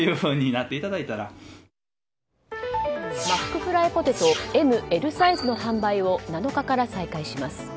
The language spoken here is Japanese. マックフライポテトＭ・Ｌサイズの販売を７日から再開します。